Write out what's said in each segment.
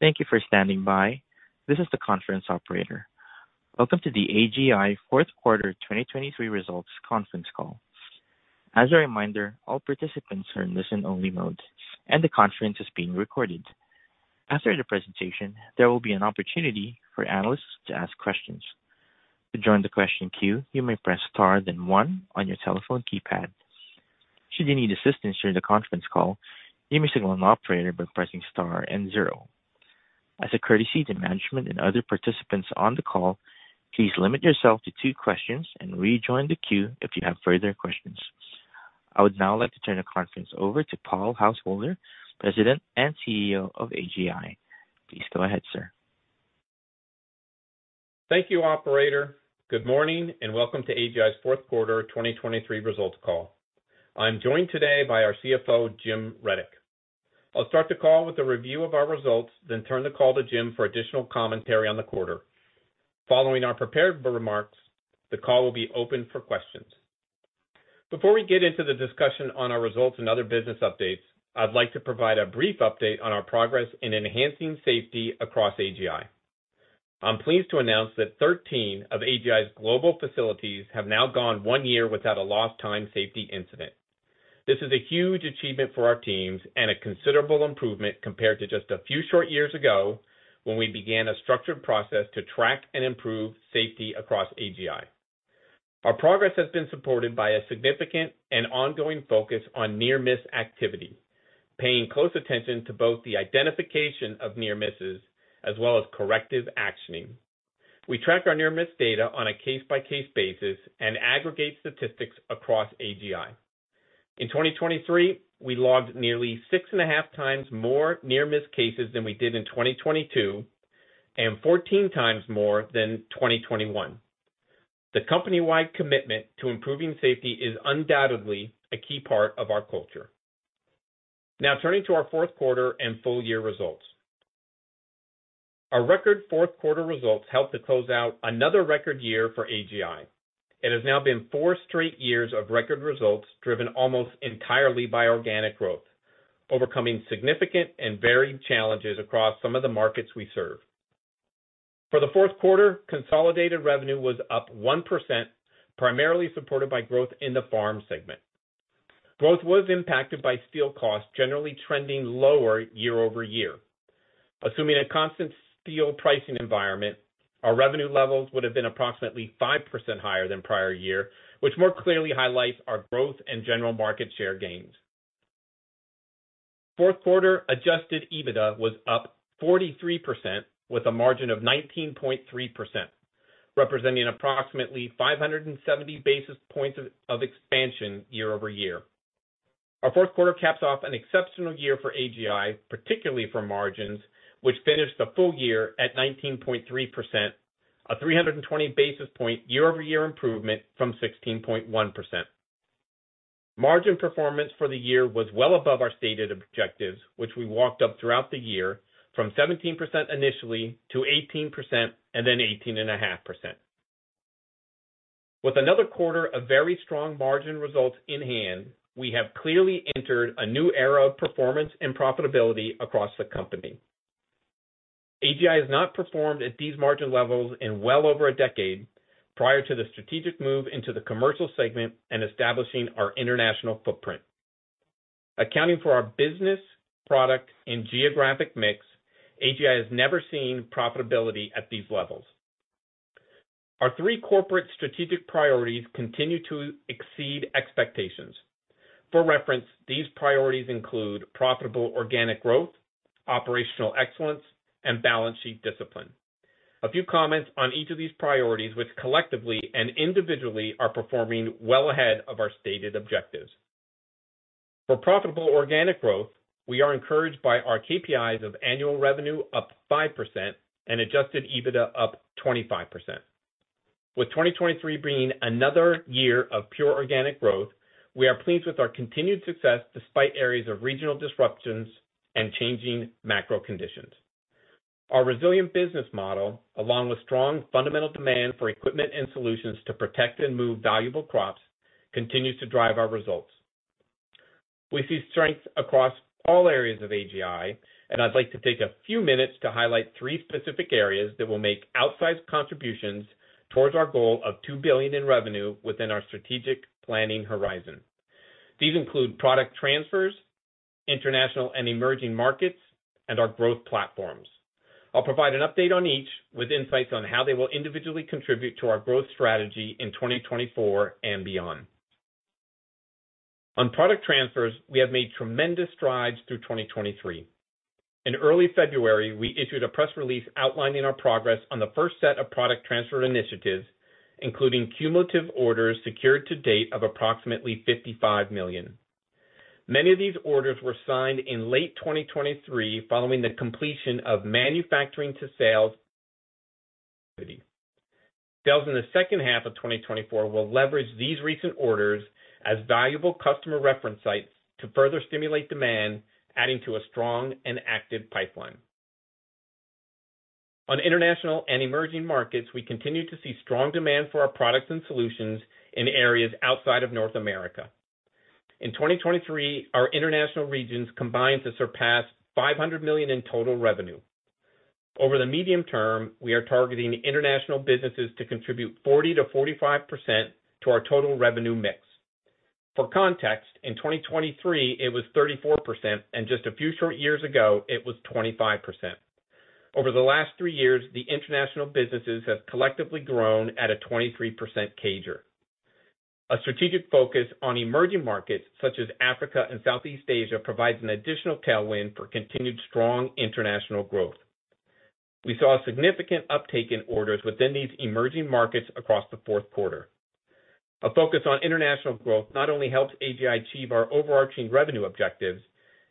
Thank you for standing by. This is the conference operator. Welcome to the AGI Fourth Quarter 2023 Results Conference Call. As a reminder, all participants are in listen-only mode, and the conference is being recorded. After the presentation, there will be an opportunity for analysts to ask questions. To join the question queue, you may press star, then one on your telephone keypad. Should you need assistance during the conference call, you may signal an operator by pressing star and zero. As a courtesy to management and other participants on the call, please limit yourself to two questions and rejoin the queue if you have further questions. I would now like to turn the conference over to Paul Householder, President and CEO of AGI. Please go ahead, sir. Thank you, operator. Good morning, and welcome to AGI's fourth quarter 2023 results call. I'm joined today by our CFO, Jim Rudyk. I'll start the call with a review of our results, then turn the call to Jim for additional commentary on the quarter. Following our prepared remarks, the call will be open for questions. Before we get into the discussion on our results and other business updates, I'd like to provide a brief update on our progress in enhancing safety across AGI. I'm pleased to announce that 13 of AGI's global facilities have now gone one year without a Lost Time Safety Incident. This is a huge achievement for our teams and a considerable improvement compared to just a few short years ago, when we began a structured process to track and improve safety across AGI. Our progress has been supported by a significant and ongoing focus on near-miss activity, paying close attention to both the identification of near misses as well as corrective actioning. We track our near-miss data on a case-by-case basis and aggregate statistics across AGI. In 2023, we logged nearly 6.5 times more near-miss cases than we did in 2022, and 14 times more than 2021. The company-wide commitment to improving safety is undoubtedly a key part of our culture. Now, turning to our fourth quarter and full year results. Our record fourth quarter results helped to close out another record year for AGI. It has now been four straight years of record results, driven almost entirely by organic growth, overcoming significant and varied challenges across some of the markets we serve. For the fourth quarter, consolidated revenue was up 1%, primarily supported by growth in the farm segment. Growth was impacted by steel costs generally trending lower year-over-year. Assuming a constant steel pricing environment, our revenue levels would have been approximately 5% higher than prior year, which more clearly highlights our growth and general market share gains. Fourth quarter Adjusted EBITDA was up 43%, with a margin of 19.3%, representing approximately 570 basis points of expansion year-over-year. Our fourth quarter caps off an exceptional year for AGI, particularly for margins, which finished the full year at 19.3%, a 320 basis point year-over-year improvement from 16.1%. Margin performance for the year was well above our stated objectives, which we walked up throughout the year from 17% initially to 18% and then 18.5%. With another quarter of very strong margin results in hand, we have clearly entered a new era of performance and profitability across the company. AGI has not performed at these margin levels in well over a decade, prior to the strategic move into the commercial segment and establishing our international footprint. Accounting for our business, product and geographic mix, AGI has never seen profitability at these levels. Our three corporate strategic priorities continue to exceed expectations. For reference, these priorities include profitable organic growth, operational excellence, and balance sheet discipline. A few comments on each of these priorities, which collectively and individually are performing well ahead of our stated objectives. For profitable organic growth, we are encouraged by our KPIs of annual revenue up 5% and Adjusted EBITDA up 25%. With 2023 being another year of pure organic growth, we are pleased with our continued success, despite areas of regional disruptions and changing macro conditions. Our resilient business model, along with strong fundamental demand for equipment and solutions to protect and move valuable crops, continues to drive our results. We see strengths across all areas of AGI, and I'd like to take a few minutes to highlight three specific areas that will make outsized contributions towards our goal of 2 billion in revenue within our strategic planning horizon. These include product transfers, international and emerging markets, and our growth platforms. I'll provide an update on each, with insights on how they will individually contribute to our growth strategy in 2024 and beyond. On product transfers, we have made tremendous strides through 2023. In early February, we issued a press release outlining our progress on the first set of product transfer initiatives, including cumulative orders secured to date of approximately 55 million. Many of these orders were signed in late 2023, following the completion of manufacturing to sales. Sales in the second half of 2024 will leverage these recent orders as valuable customer reference sites to further stimulate demand, adding to a strong and active pipeline.... On international and emerging markets, we continue to see strong demand for our products and solutions in areas outside of North America. In 2023, our international regions combined to surpass 500 million in total revenue. Over the medium term, we are targeting international businesses to contribute 40%-45% to our total revenue mix. For context, in 2023, it was 34%, and just a few short years ago, it was 25%. Over the last three years, the international businesses have collectively grown at a 23% CAGR. A strategic focus on emerging markets, such as Africa and Southeast Asia, provides an additional tailwind for continued strong international growth. We saw a significant uptake in orders within these emerging markets across the fourth quarter. A focus on international growth not only helps AGI achieve our overarching revenue objectives,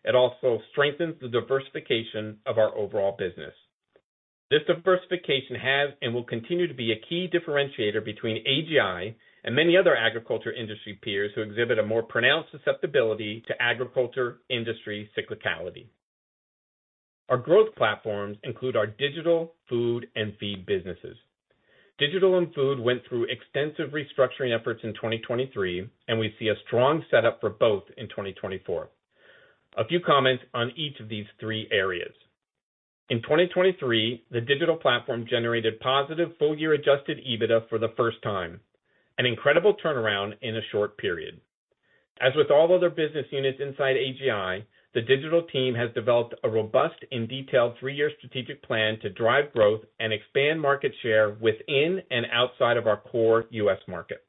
it also strengthens the diversification of our overall business. This diversification has and will continue to be a key differentiator between AGI and many other agriculture industry peers, who exhibit a more pronounced susceptibility to agriculture industry cyclicality. Our growth platforms include our digital, food, and feed businesses. Digital and Food went through extensive restructuring efforts in 2023, and we see a strong setup for both in 2024. A few comments on each of these three areas. In 2023, the Digital platform generated positive full-year Adjusted EBITDA for the first time, an incredible turnaround in a short period. As with all other business units inside AGI, the Digital team has developed a robust and detailed 3-year strategic plan to drive growth and expand market share within and outside of our core U.S. market.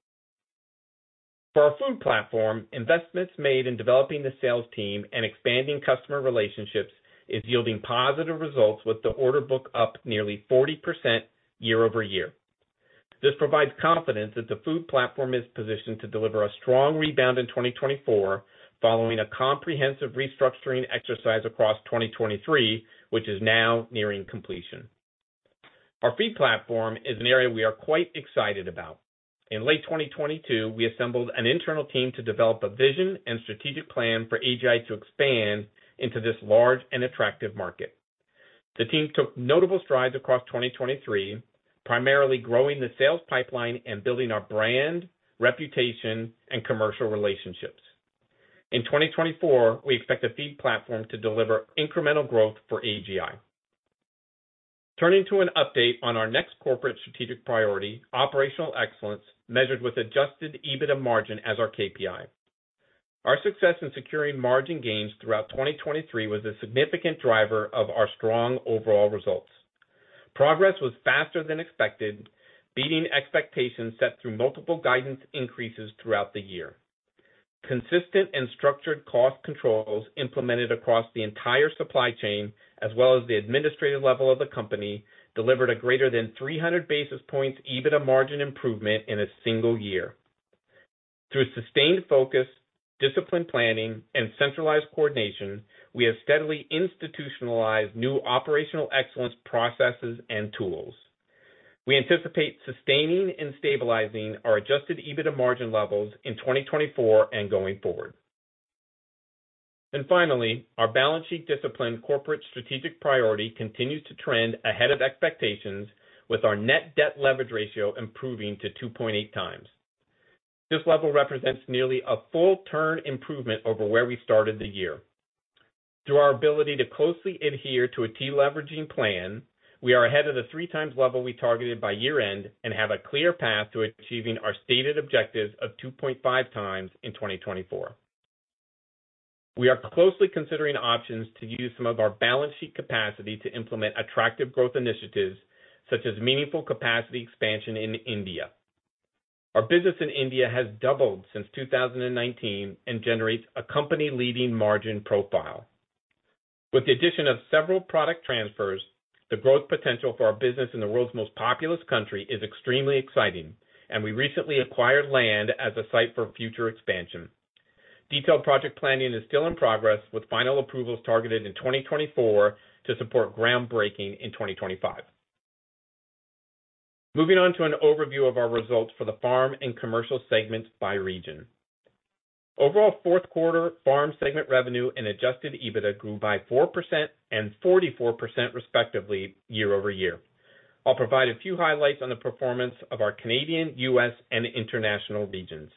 For our Food platform, investments made in developing the sales team and expanding customer relationships is yielding positive results, with the Order Book up nearly 40% year-over-year. This provides confidence that the Food platform is positioned to deliver a strong rebound in 2024, following a comprehensive restructuring exercise across 2023, which is now nearing completion. Our Feed platform is an area we are quite excited about. In late 2022, we assembled an internal team to develop a vision and strategic plan for AGI to expand into this large and attractive market. The team took notable strides across 2023, primarily growing the sales pipeline and building our brand, reputation, and commercial relationships. In 2024, we expect the Feed platform to deliver incremental growth for AGI. Turning to an update on our next corporate strategic priority, Operational Excellence, measured with Adjusted EBITDA margin as our KPI. Our success in securing margin gains throughout 2023 was a significant driver of our strong overall results. Progress was faster than expected, beating expectations set through multiple guidance increases throughout the year. Consistent and structured cost controls implemented across the entire supply chain, as well as the administrative level of the company, delivered a greater than 300 basis points EBITDA margin improvement in a single year. Through a sustained focus, disciplined planning, and centralized coordination, we have steadily institutionalized new operational excellence processes and tools. We anticipate sustaining and stabilizing our adjusted EBITDA margin levels in 2024 and going forward. And finally, our balance sheet discipline corporate strategic priority continues to trend ahead of expectations, with our net debt leverage ratio improving to 2.8 times. This level represents nearly a full turn improvement over where we started the year. Through our ability to closely adhere to a deleveraging plan, we are ahead of the 3x level we targeted by year-end and have a clear path to achieving our stated objective of 2.5x in 2024. We are closely considering options to use some of our balance sheet capacity to implement attractive growth initiatives, such as meaningful capacity expansion in India. Our business in India has doubled since 2019 and generates a company-leading margin profile. With the addition of several product transfers, the growth potential for our business in the world's most populous country is extremely exciting, and we recently acquired land as a site for future expansion. Detailed project planning is still in progress, with final approvals targeted in 2024 to support groundbreaking in 2025. Moving on to an overview of our results for the Farm and Commercial segments by region. Overall, fourth quarter Farm segment revenue and Adjusted EBITDA grew by 4% and 44%, respectively, year-over-year. I'll provide a few highlights on the performance of our Canadian, U.S., and international regions.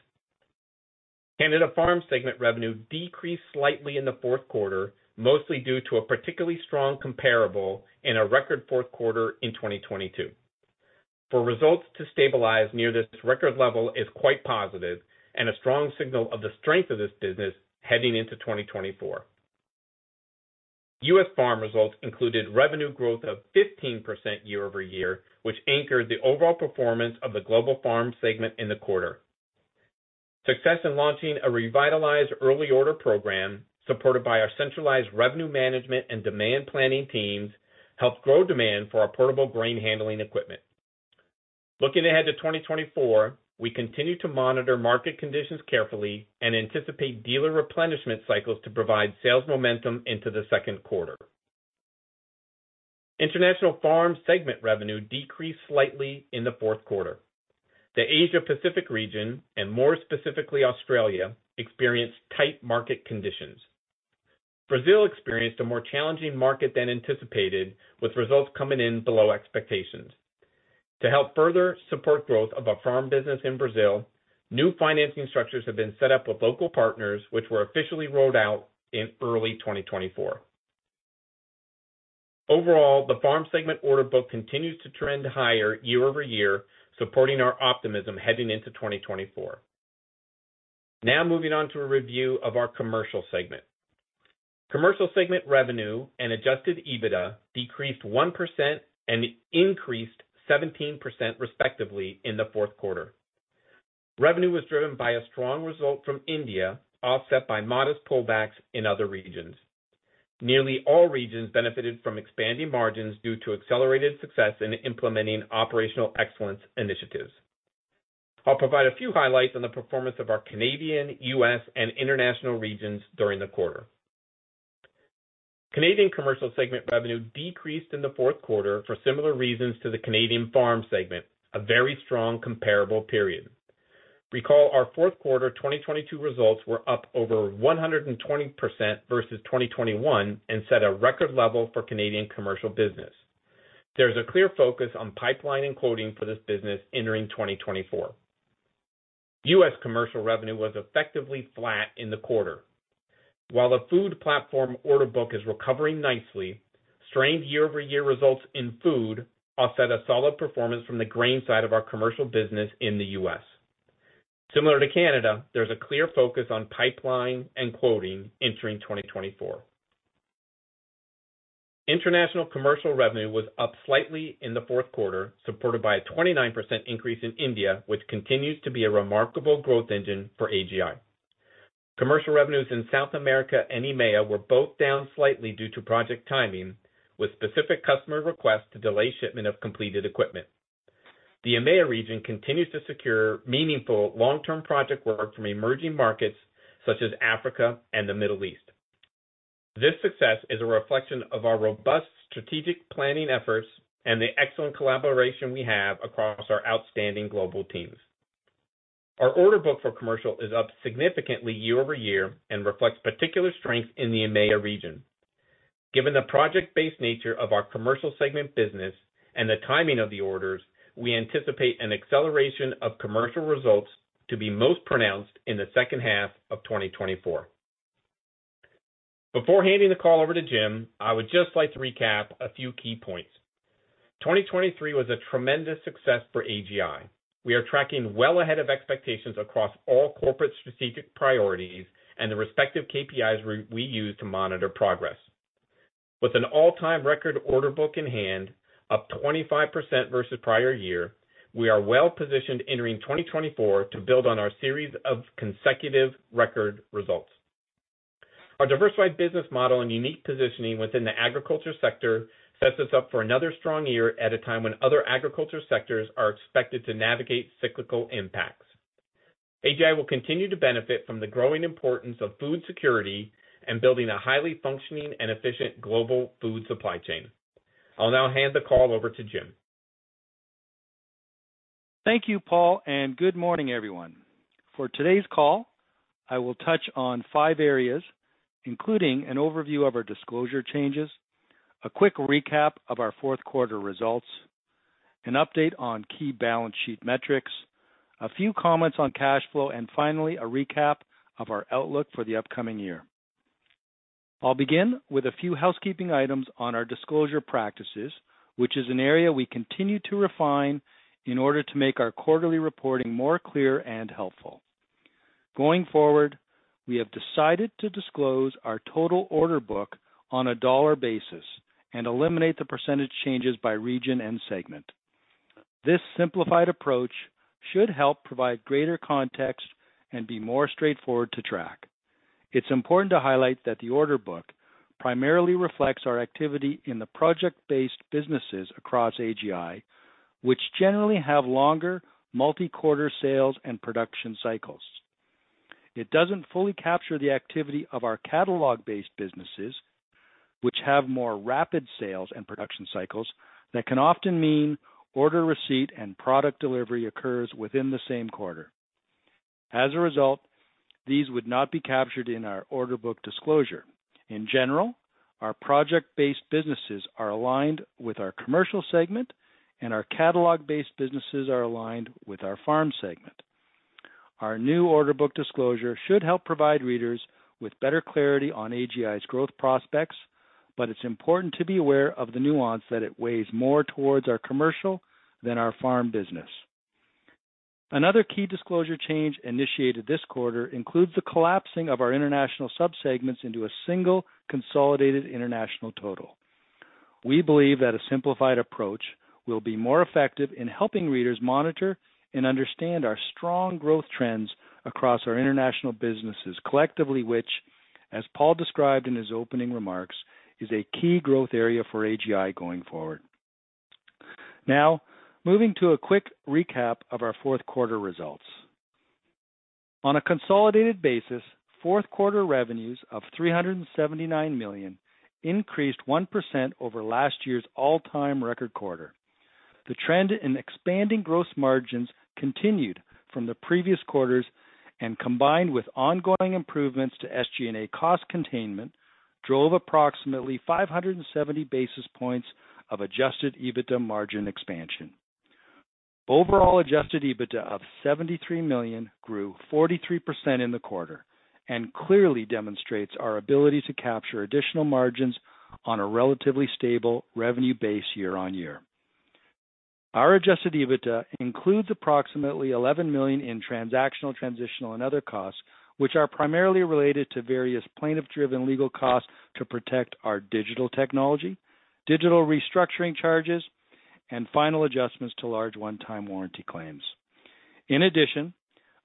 Canada Farm segment revenue decreased slightly in the fourth quarter, mostly due to a particularly strong comparable and a record fourth quarter in 2022. For results to stabilize near this record level is quite positive and a strong signal of the strength of this business heading into 2024. U.S. Farm results included revenue growth of 15% year-over-year, which anchored the overall performance of the global Farm segment in the quarter. Success in launching a revitalized early order program, supported by our centralized revenue management and demand planning teams, helped grow demand for our portable grain handling equipment. Looking ahead to 2024, we continue to monitor market conditions carefully and anticipate dealer replenishment cycles to provide sales momentum into the second quarter. International farm segment revenue decreased slightly in the fourth quarter. The Asia Pacific region, and more specifically Australia, experienced tight market conditions. Brazil experienced a more challenging market than anticipated, with results coming in below expectations. To help further support growth of our farm business in Brazil, new financing structures have been set up with local partners, which were officially rolled out in early 2024. Overall, the farm segment order book continues to trend higher year-over-year, supporting our optimism heading into 2024. Now moving on to a review of our commercial segment. Commercial segment revenue and Adjusted EBITDA decreased 1% and increased 17%, respectively, in the fourth quarter. Revenue was driven by a strong result from India, offset by modest pullbacks in other regions. Nearly all regions benefited from expanding margins due to accelerated success in implementing Operational Excellence initiatives. I'll provide a few highlights on the performance of our Canadian, U.S., and international regions during the quarter. Canadian commercial segment revenue decreased in the fourth quarter for similar reasons to the Canadian farm segment, a very strong comparable period. Recall, our fourth quarter 2022 results were up over 120% versus 2021 and set a record level for Canadian commercial business. There's a clear focus on pipeline and quoting for this business entering 2024. U.S. commercial revenue was effectively flat in the quarter. While the Food platform Order Book is recovering nicely, strained year-over-year results in Food offset a solid performance from the grain side of our commercial business in the U.S. Similar to Canada, there's a clear focus on pipeline and quoting entering 2024. International commercial revenue was up slightly in the fourth quarter, supported by a 29% increase in India, which continues to be a remarkable growth engine for AGI. Commercial revenues in South America and EMEA were both down slightly due to project timing, with specific customer requests to delay shipment of completed equipment. The EMEA region continues to secure meaningful long-term project work from emerging markets such as Africa and the Middle East. This success is a reflection of our robust strategic planning efforts and the excellent collaboration we have across our outstanding global teams. Our Order Book for commercial is up significantly year-over-year and reflects particular strength in the EMEA region. Given the project-based nature of our commercial segment business and the timing of the orders, we anticipate an acceleration of commercial results to be most pronounced in the second half of 2024. Before handing the call over to Jim, I would just like to recap a few key points. 2023 was a tremendous success for AGI. We are tracking well ahead of expectations across all corporate strategic priorities and the respective KPIs we use to monitor progress. With an all-time record Order Book in hand, up 25% versus prior year, we are well positioned entering 2024 to build on our series of consecutive record results. Our diversified business model and unique positioning within the agriculture sector sets us up for another strong year at a time when other agriculture sectors are expected to navigate cyclical impacts. AGI will continue to benefit from the growing importance of food security and building a highly functioning and efficient global food supply chain. I'll now hand the call over to Jim. Thank you, Paul, and good morning, everyone. For today's call, I will touch on five areas, including an overview of our disclosure changes, a quick recap of our fourth quarter results, an update on key balance sheet metrics, a few comments on cash flow, and finally, a recap of our outlook for the upcoming year. I'll begin with a few housekeeping items on our disclosure practices, which is an area we continue to refine in order to make our quarterly reporting more clear and helpful. Going forward, we have decided to disclose our total order book on a dollar basis and eliminate the percentage changes by region and segment. This simplified approach should help provide greater context and be more straightforward to track. It's important to highlight that the order book primarily reflects our activity in the project-based businesses across AGI, which generally have longer multi-quarter sales and production cycles. It doesn't fully capture the activity of our catalog-based businesses, which have more rapid sales and production cycles that can often mean order receipt and product delivery occurs within the same quarter. As a result, these would not be captured in our order book disclosure. In general, our project-based businesses are aligned with our commercial segment, and our catalog-based businesses are aligned with our farm segment. Our new order book disclosure should help provide readers with better clarity on AGI's growth prospects, but it's important to be aware of the nuance that it weighs more towards our commercial than our farm business. Another key disclosure change initiated this quarter includes the collapsing of our international subsegments into a single, consolidated international total. We believe that a simplified approach will be more effective in helping readers monitor and understand our strong growth trends across our international businesses, collectively, which, as Paul described in his opening remarks, is a key growth area for AGI going forward. Now, moving to a quick recap of our fourth quarter results. On a consolidated basis, fourth quarter revenues of CAD 379 million increased 1% over last year's all-time record quarter.... The trend in expanding gross margins continued from the previous quarters, and combined with ongoing improvements to SG&A cost containment, drove approximately 570 basis points of Adjusted EBITDA margin expansion. Overall, Adjusted EBITDA of 73 million grew 43% in the quarter, and clearly demonstrates our ability to capture additional margins on a relatively stable revenue base year-on-year. Our adjusted EBITDA includes approximately 11 million in transactional, transitional, and other costs, which are primarily related to various plaintiff-driven legal costs to protect our digital technology, digital restructuring charges, and final adjustments to large one-time warranty claims. In addition,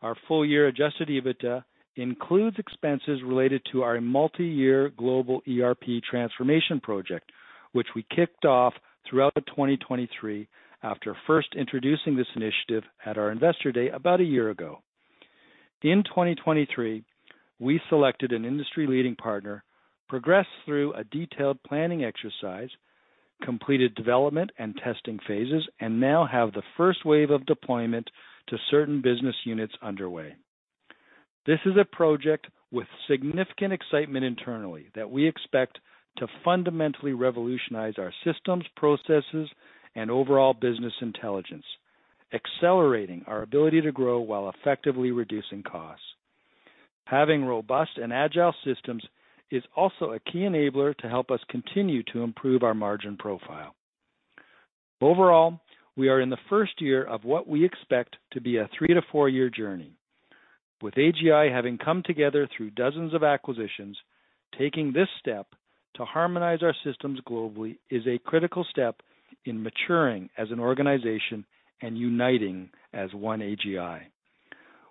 our full-year adjusted EBITDA includes expenses related to our multi-year global ERP transformation project, which we kicked off throughout 2023 after first introducing this initiative at our Investor Day about a year ago. In 2023, we selected an industry-leading partner, progressed through a detailed planning exercise, completed development and testing phases, and now have the first wave of deployment to certain business units underway. This is a project with significant excitement internally that we expect to fundamentally revolutionize our systems, processes, and overall business intelligence, accelerating our ability to grow while effectively reducing costs. Having robust and agile systems is also a key enabler to help us continue to improve our margin profile. Overall, we are in the first year of what we expect to be a 3-4-year journey. With AGI having come together through dozens of acquisitions, taking this step to harmonize our systems globally is a critical step in maturing as an organization and uniting as one AGI.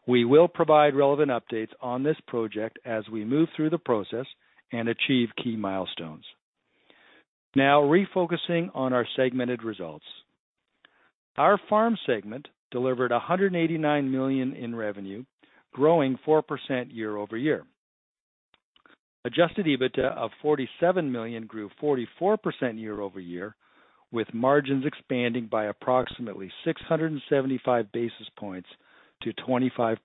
We will provide relevant updates on this project as we move through the process and achieve key milestones. Now refocusing on our segmented results. Our Farm segment delivered 189 million in revenue, growing 4% year-over-year. Adjusted EBITDA of 47 million grew 44% year-over-year, with margins expanding by approximately 675 basis points to 25%.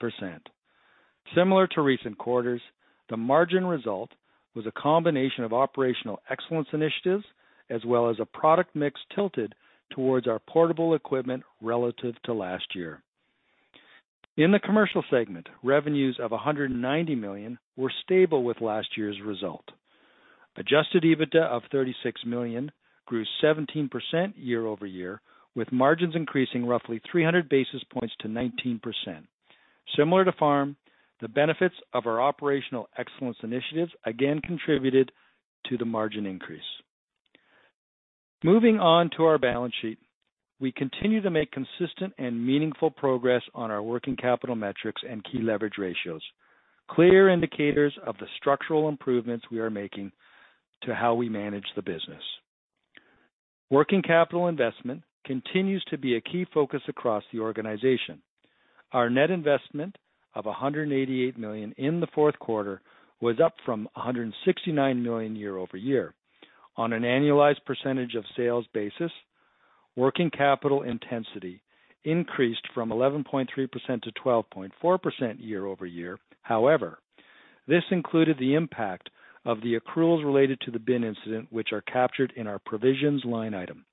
Similar to recent quarters, the margin result was a combination of Operational Excellence initiatives, as well as a product mix tilted towards our portable equipment relative to last year. In the commercial segment, revenues of CAD 190 million were stable with last year's result. Adjusted EBITDA of CAD 36 million grew 17% year-over-year, with margins increasing roughly 300 basis points to 19%. Similar to Farm, the benefits of our Operational Excellence initiatives again contributed to the margin increase. Moving on to our balance sheet. We continue to make consistent and meaningful progress on our working capital metrics and key leverage ratios, clear indicators of the structural improvements we are making to how we manage the business. Working capital investment continues to be a key focus across the organization. Our net investment of 188 million in the fourth quarter was up from 169 million year-over-year. On an annualized percentage of sales basis, working capital intensity increased from 11.3%-12.4% year-over-year. However, this included the impact of the accruals related to the bin incident, which are captured in our provisions line item.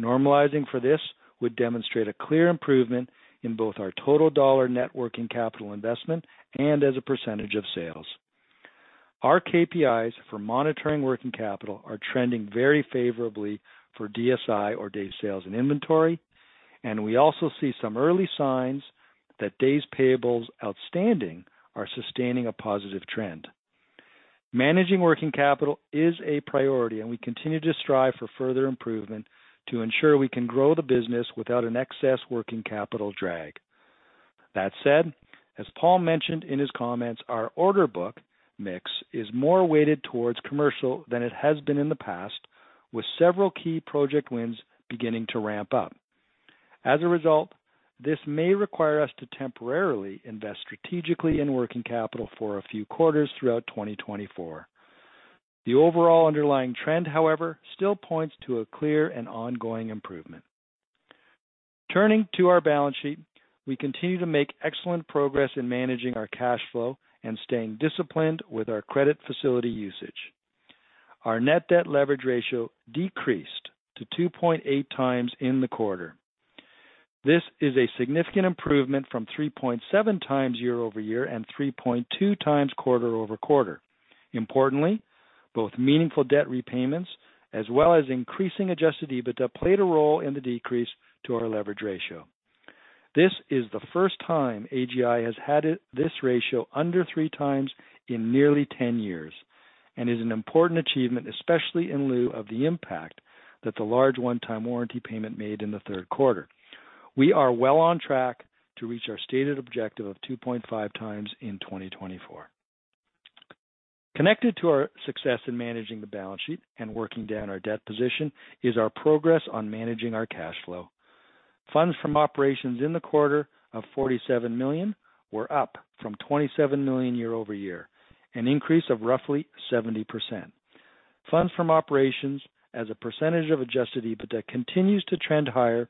Normalizing for this would demonstrate a clear improvement in both our total dollar net working capital investment and as a percentage of sales. Our KPIs for monitoring working capital are trending very favorably for DSI, or days sales in inventory, and we also see some early signs that days payables outstanding are sustaining a positive trend. Managing working capital is a priority, and we continue to strive for further improvement to ensure we can grow the business without an excess working capital drag. That said, as Paul mentioned in his comments, our order book mix is more weighted towards commercial than it has been in the past, with several key project wins beginning to ramp up. As a result, this may require us to temporarily invest strategically in working capital for a few quarters throughout 2024. The overall underlying trend, however, still points to a clear and ongoing improvement. Turning to our balance sheet, we continue to make excellent progress in managing our cash flow and staying disciplined with our credit facility usage. Our net debt leverage ratio decreased to 2.8 times in the quarter. This is a significant improvement from 3.7 times year-over-year and 3.2 times quarter-over-quarter. Importantly, both meaningful debt repayments as well as increasing Adjusted EBITDA played a role in the decrease to our leverage ratio. This is the first time AGI has had this ratio under 3 times in nearly 10 years and is an important achievement, especially in lieu of the impact that the large one-time warranty payment made in the third quarter. We are well on track to reach our stated objective of 2.5 times in 2024. Connected to our success in managing the balance sheet and working down our debt position is our progress on managing our cash flow. Funds from operations in the quarter of 47 million were up from 27 million year-over-year, an increase of roughly 70%. Funds from operations as a percentage of Adjusted EBITDA continues to trend higher,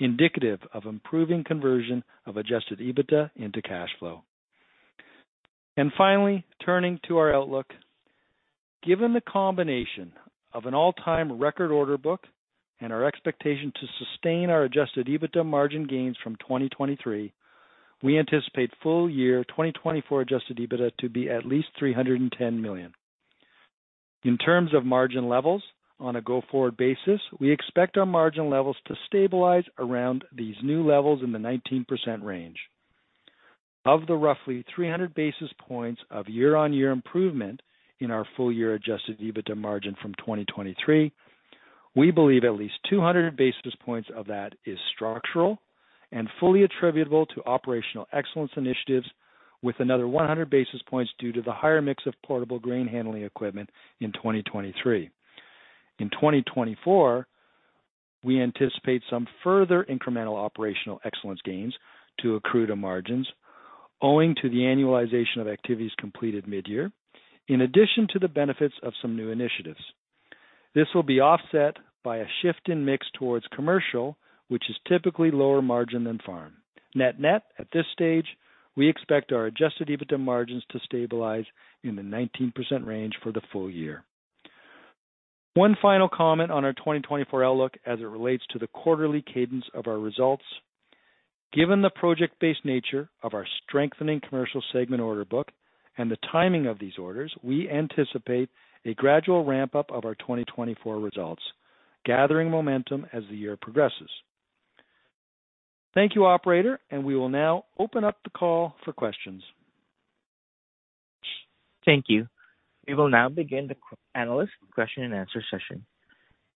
indicative of improving conversion of Adjusted EBITDA into cash flow. Finally, turning to our outlook. Given the combination of an all-time record Order Book and our expectation to sustain our Adjusted EBITDA margin gains from 2023, we anticipate full year 2024 Adjusted EBITDA to be at least 310 million. In terms of margin levels, on a go-forward basis, we expect our margin levels to stabilize around these new levels in the 19% range. Of the roughly 300 basis points of year-on-year improvement in our full year Adjusted EBITDA margin from 2023, we believe at least 200 basis points of that is structural and fully attributable to Operational Excellence initiatives, with another 100 basis points due to the higher mix of portable grain handling equipment in 2023. In 2024, we anticipate some further incremental Operational Excellence gains to accrue to margins, owing to the annualization of activities completed midyear, in addition to the benefits of some new initiatives. This will be offset by a shift in mix towards commercial, which is typically lower margin than farm. Net net, at this stage, we expect our Adjusted EBITDA margins to stabilize in the 19% range for the full year. One final comment on our 2024 outlook as it relates to the quarterly cadence of our results. Given the project-based nature of our strengthening commercial segment order book and the timing of these orders, we anticipate a gradual ramp-up of our 2024 results, gathering momentum as the year progresses. Thank you, operator, and we will now open up the call for questions. Thank you. We will now begin the Q&A analyst question and answer session.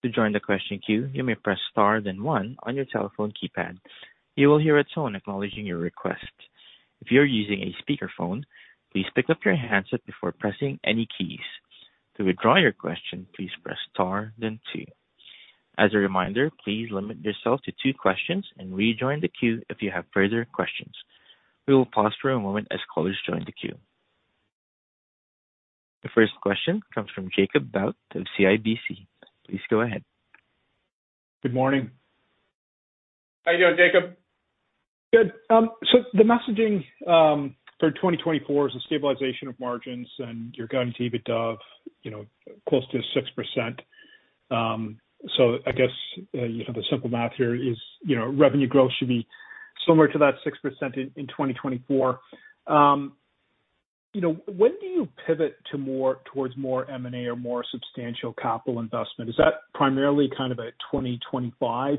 To join the question queue, you may press star, then one on your telephone keypad. You will hear a tone acknowledging your request. If you are using a speakerphone, please pick up your handset before pressing any keys. To withdraw your question, please press star then two. As a reminder, please limit yourself to two questions and rejoin the queue if you have further questions. We will pause for a moment as callers join the queue. The first question comes from Jacob Bout of CIBC. Please go ahead. Good morning. How are you doing, Jacob? Good. So the messaging for 2024 is a stabilization of margins, and you're guiding EBITDA, you know, close to 6%. So I guess, you know, the simple math here is, you know, revenue growth should be similar to that 6% in 2024. You know, when do you pivot towards more M&A or more substantial capital investment? Is that primarily kind of a 2025?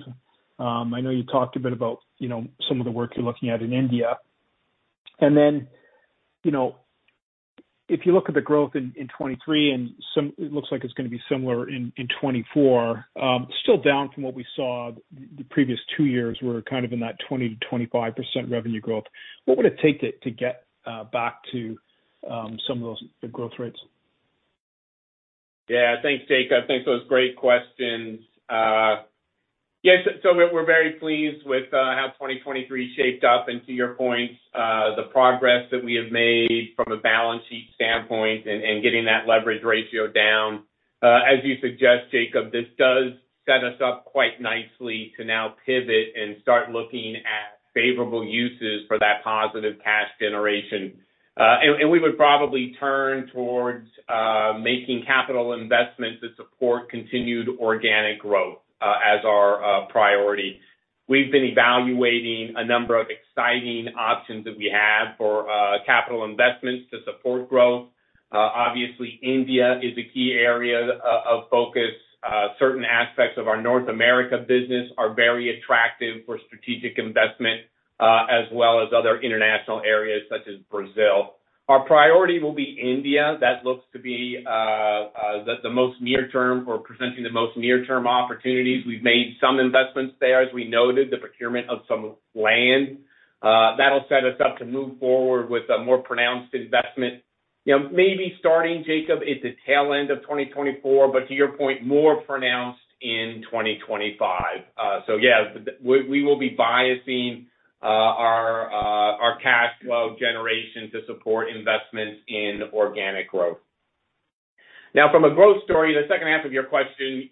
I know you talked a bit about, you know, some of the work you're looking at in India. And then, you know, if you look at the growth in 2023, it looks like it's gonna be similar in 2024, still down from what we saw the previous two years were kind of in that 20%-25% revenue growth. What would it take to get back to some of those growth rates? Yeah. Thanks, Jacob. Thanks for those great questions. Yes, so, so we're very pleased with how 2023 shaped up. And to your points, the progress that we have made from a balance sheet standpoint and getting that leverage ratio down. As you suggest, Jacob, this does set us up quite nicely to now pivot and start looking at favorable uses for that positive cash generation. And we would probably turn towards making capital investments that support continued organic growth as our priority. We've been evaluating a number of exciting options that we have for capital investments to support growth. Obviously, India is a key area of focus. Certain aspects of our North America business are very attractive for strategic investment as well as other international areas, such as Brazil. Our priority will be India. That looks to be the most near term or presenting the most near-term opportunities. We've made some investments there. As we noted, the procurement of some land, that'll set us up to move forward with a more pronounced investment. You know, maybe starting, Jacob, at the tail end of 2024, but to your point, more pronounced in 2025. So yeah, we will be biasing our cash flow generation to support investments in organic growth. Now, from a growth story, the second half of your question,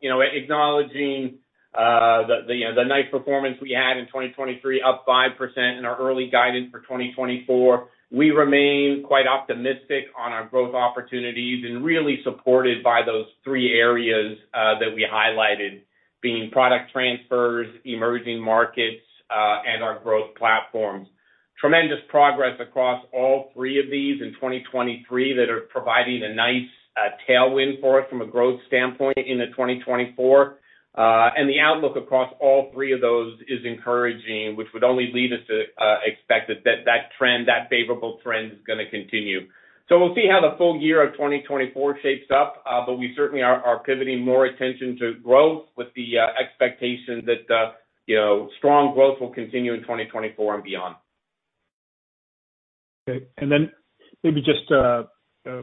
you know, acknowledging the nice performance we had in 2023, up 5% in our early guidance for 2024, we remain quite optimistic on our growth opportunities and really supported by those three areas that we highlighted, being product transfers, emerging markets, and our growth platforms. Tremendous progress across all three of these in 2023 that are providing a nice tailwind for us from a growth standpoint into 2024. And the outlook across all three of those is encouraging, which would only lead us to expect that trend, that favorable trend is gonna continue. We'll see how the full year of 2024 shapes up, but we certainly are pivoting more attention to growth with the expectation that, you know, strong growth will continue in 2024 and beyond. Okay. And then maybe just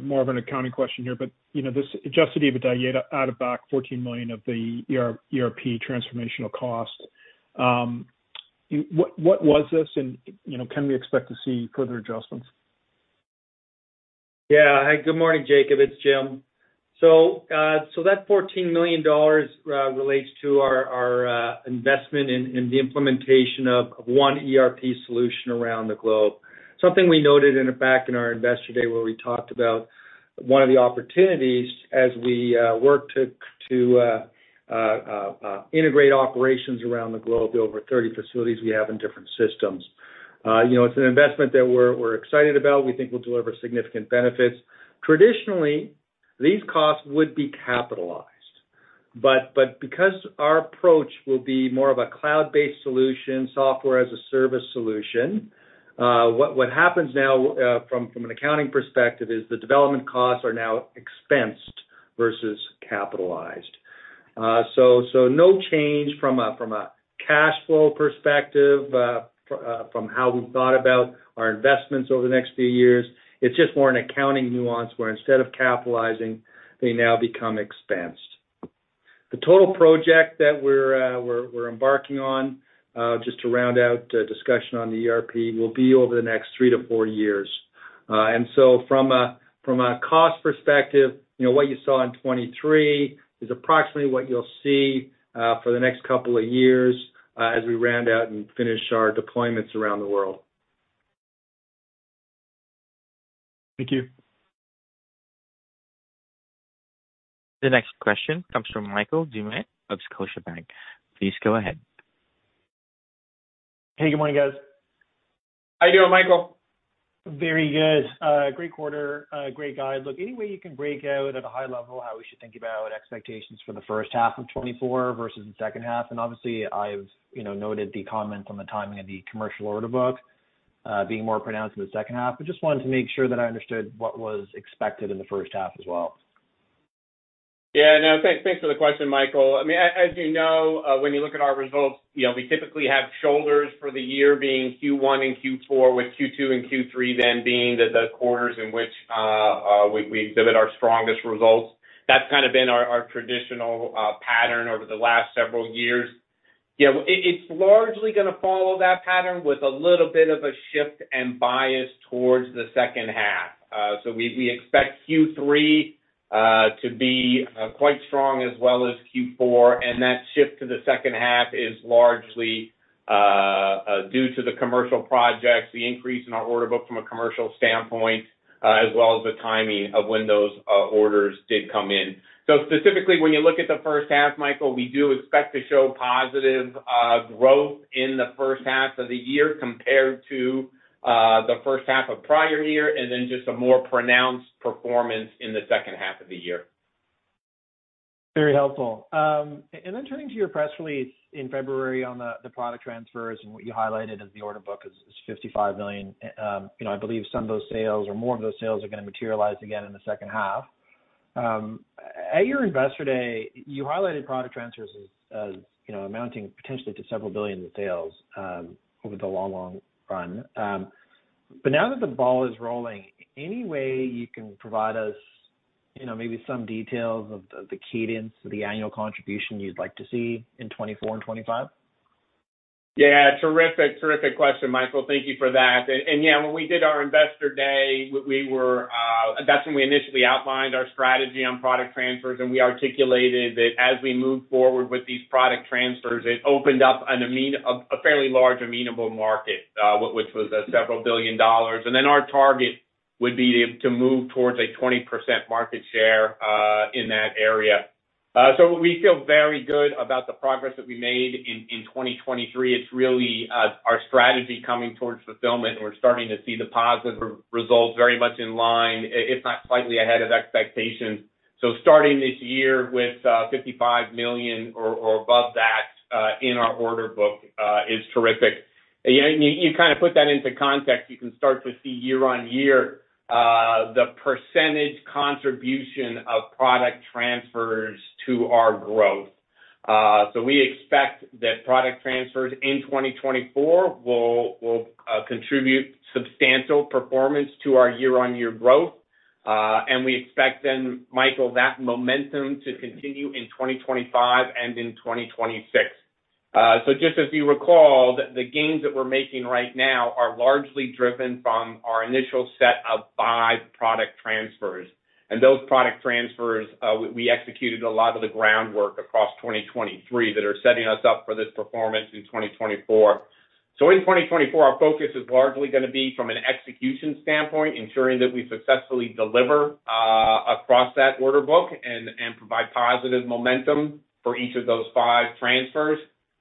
more of an accounting question here, but you know, this Adjusted EBITDA add-back of 14 million of the ERP transformational cost. What was this? And, you know, can we expect to see further adjustments? Yeah. Hi, good morning, Jacob. It's Jim. So, that $14 million relates to our investment in the implementation of one ERP solution around the globe. Something we noted back in our Investor Day, where we talked about one of the opportunities as we work to integrate operations around the globe, the over 30 facilities we have in different systems. You know, it's an investment that we're excited about. We think will deliver significant benefits. Traditionally, these costs would be capitalized, but because our approach will be more of a cloud-based solution, software as a service solution, what happens now from an accounting perspective is the development costs are now expensed versus capitalized. So, no change from a cash flow perspective, from how we've thought about our investments over the next few years. It's just more an accounting nuance, where instead of capitalizing, they now become expensed. The total project that we're embarking on, just to round out discussion on the ERP, will be over the next 3-4 years. And so from a cost perspective, you know, what you saw in 2023 is approximately what you'll see for the next couple of years, as we round out and finish our deployments around the world. Thank you. The next question comes from Michael Doumet of Scotiabank. Please go ahead. Hey, good morning, guys. How you doing, Michael? Very good. Great quarter, great guide. Look, any way you can break out at a high level, how we should think about expectations for the first half of 2024 versus the second half? And obviously, I've, you know, noted the comments on the timing of the commercial order book, being more pronounced in the second half. I just wanted to make sure that I understood what was expected in the first half as well. Yeah, no, thanks, thanks for the question, Michael. I mean, as you know, when you look at our results, you know, we typically have shoulders for the year being Q1 and Q4, with Q2 and Q3 then being the quarters in which we exhibit our strongest results. That's kind of been our traditional pattern over the last several years. Yeah, it, it's largely gonna follow that pattern with a little bit of a shift and bias towards the second half. So we expect Q3 to be quite strong as well as Q4, and that shift to the second half is largely due to the commercial projects, the increase in our order book from a commercial standpoint, as well as the timing of when those orders did come in. So specifically, when you look at the first half, Michael, we do expect to show positive growth in the first half of the year compared to the first half of prior year, and then just a more pronounced performance in the second half of the year. Very helpful. Turning to your press release in February on the product transfers and what you highlighted as the order book is 55 million. You know, I believe some of those sales or more of those sales are gonna materialize again in the second half. At your Investor Day, you highlighted product transfers as you know, amounting potentially to several billion CAD in sales over the long, long run. But now that the ball is rolling, any way you can provide us, you know, maybe some details of the cadence of the annual contribution you'd like to see in 2024 and 2025? Yeah, terrific, terrific question, Michael. Thank you for that. And yeah, when we did our Investor Day, that's when we initially outlined our strategy on Product Transfers, and we articulated that as we move forward with these Product Transfers, it opened up a fairly large amenable market, which was several billion dollars. And then our target would be to move towards a 20% market share in that area. So we feel very good about the progress that we made in 2023. It's really our strategy coming towards fulfillment, and we're starting to see the positive results very much in line, if not slightly ahead of expectations. So starting this year with $55 million or above that in our order book is terrific. You know, you, you kind of put that into context, you can start to see year-on-year, the percentage contribution of product transfers to our growth. So we expect that product transfers in 2024 will, will, contribute substantial performance to our year-on-year growth. And we expect then, Michael, that momentum to continue in 2025 and in 2026. So just as you recall, the gains that we're making right now are largely driven from our initial set of five product transfers. And those product transfers, we executed a lot of the groundwork across 2023 that are setting us up for this performance in 2024. So in 2024, our focus is largely gonna be from an execution standpoint, ensuring that we successfully deliver across that order book and, and provide positive momentum for each of those five transfers.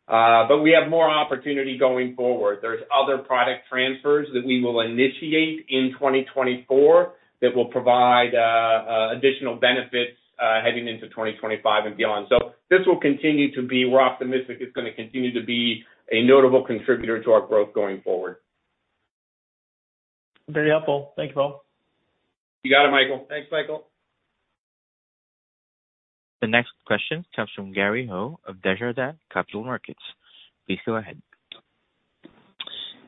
But we have more opportunity going forward. There's other product transfers that we will initiate in 2024, that will provide additional benefits heading into 2025 and beyond. So this will continue to be... We're optimistic it's gonna continue to be a notable contributor to our growth going forward. Very helpful. Thank you, all. You got it, Michael. Thanks, Michael. The next question comes from Markets. Please go ahead....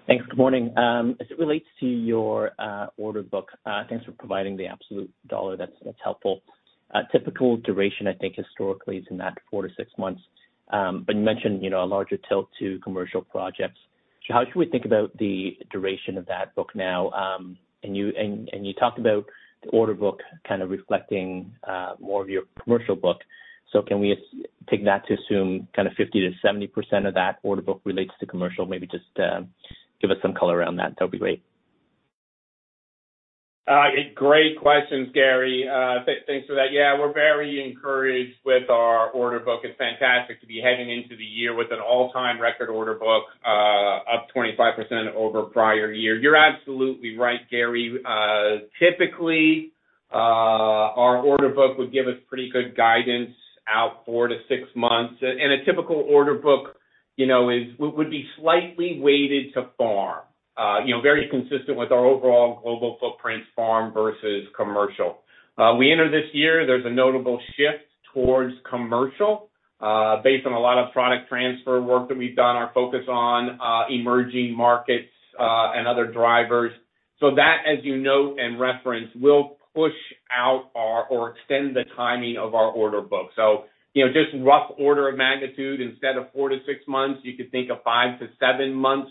Thanks. Good morning. As it relates to your order book, thanks for providing the absolute dollar. That's helpful. Typical duration, I think, historically is in that 4-6 months. But you mentioned, you know, a larger tilt to commercial projects. So how should we think about the duration of that book now? And you talked about the order book kind of reflecting more of your commercial book. So can we take that to assume kind of 50%-70% of that order book relates to commercial? Maybe just give us some color around that. That'll be great. Great questions, Gary. Thanks for that. Yeah, we're very encouraged with our order book. It's fantastic to be heading into the year with an all-time record order book, up 25% over prior year. You're absolutely right, Gary. Typically, our order book would give us pretty good guidance out 4-6 months. A typical order book, you know, would be slightly weighted to farm. You know, very consistent with our overall global footprints, farm versus commercial. We enter this year, there's a notable shift towards commercial, based on a lot of product transfer work that we've done, our focus on emerging markets, and other drivers. So that, as you note and reference, will push out our or extend the timing of our order book. So, you know, just rough order of magnitude, instead of 4-6 months, you could think of 5-7 months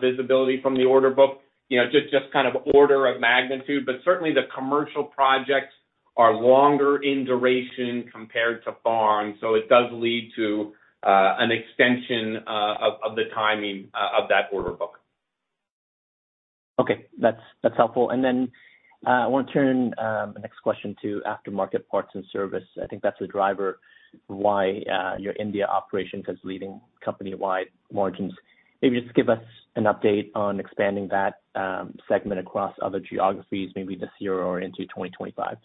visibility from the order book, you know, just kind of order of magnitude. But certainly, the commercial projects are longer in duration compared to farm, so it does lead to an extension of the timing of that order book. Okay, that's, that's helpful. And then, I want to turn the next question to aftermarket parts and service. I think that's a driver why your India operation is leading company-wide margins. Maybe just give us an update on expanding that segment across other geographies, maybe this year or into 2025.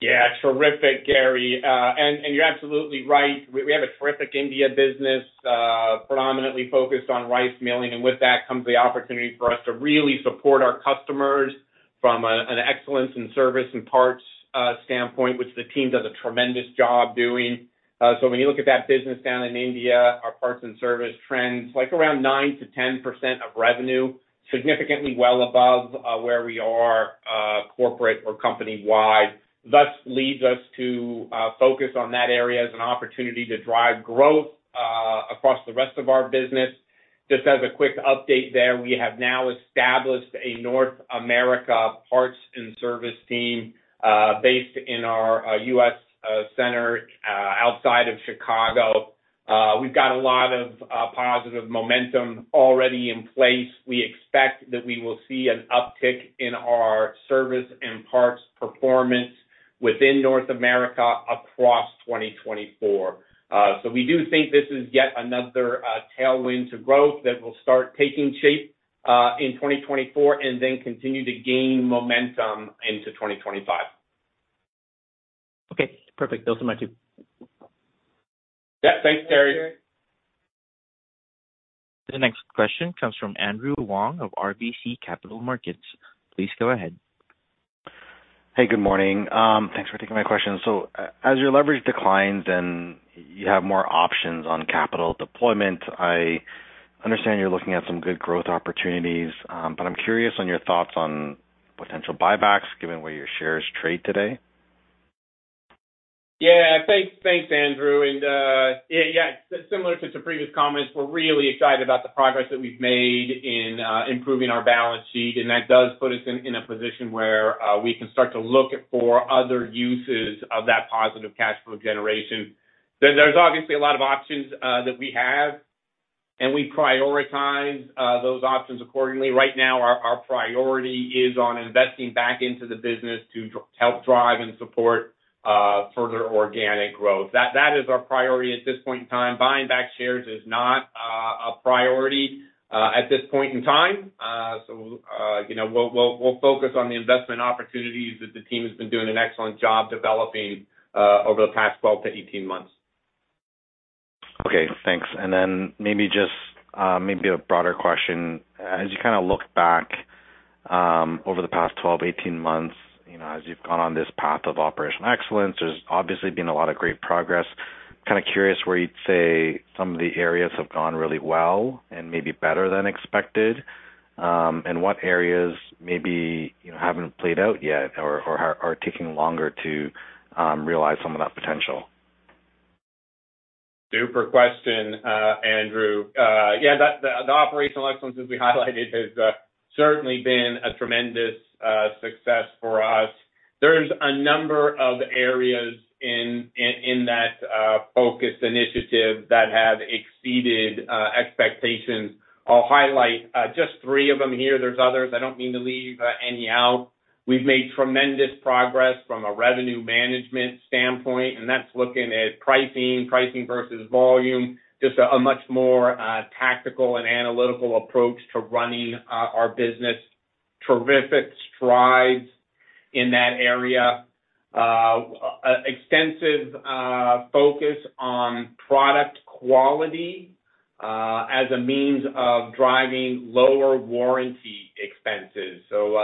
Yeah, terrific, Gary. And you're absolutely right. We have a terrific India business, predominantly focused on rice milling, and with that comes the opportunity for us to really support our customers from an excellence in service and parts standpoint, which the team does a tremendous job doing. So when you look at that business down in India, our parts and service trends, like around 9%-10% of revenue, significantly well above where we are corporate or company-wide. Thus, leads us to focus on that area as an opportunity to drive growth across the rest of our business. Just as a quick update there, we have now established a North America parts and service team based in our US center outside of Chicago. We've got a lot of positive momentum already in place. We expect that we will see an uptick in our service and parts performance within North America across 2024. So we do think this is yet another tailwind to growth that will start taking shape in 2024, and then continue to gain momentum into 2025. Okay, perfect. Those are my two. Yeah. Thanks, Gary. The next question comes from Andrew Wong of RBC Capital Markets. Please go ahead. Hey, good morning. Thanks for taking my question. As your leverage declines and you have more options on capital deployment, I understand you're looking at some good growth opportunities, but I'm curious on your thoughts on potential buybacks, given where your shares trade today? Yeah. Thanks, thanks, Andrew. Yeah, yeah, similar to some previous comments, we're really excited about the progress that we've made in improving our balance sheet, and that does put us in a position where we can start to look for other uses of that positive cash flow generation. There's obviously a lot of options that we have, and we prioritize those options accordingly. Right now, our priority is on investing back into the business to help drive and support further organic growth. That is our priority at this point in time. Buying back shares is not a priority at this point in time. So, you know, we'll focus on the investment opportunities that the team has been doing an excellent job developing over the past 12 to 18 months. Okay, thanks. Then maybe just maybe a broader question. As you kind of look back over the past 12, 18 months, you know, as you've gone on this path of Operational Excellence, there's obviously been a lot of great progress. Kind of curious where you'd say some of the areas have gone really well and maybe better than expected, and what areas maybe, you know, haven't played out yet or are taking longer to realize some of that potential? Super question, Andrew. Yeah, that the Operational Excellence, as we highlighted, has certainly been a tremendous success for us. There's a number of areas in that focused initiative that have exceeded expectations. I'll highlight just three of them here. There's others. I don't mean to leave any out. We've made tremendous progress from a revenue management standpoint, and that's looking at pricing versus volume, just a much more tactical and analytical approach to running our business. Terrific strides in that area. Extensive focus on product quality as a means of driving lower warranty expenses. So,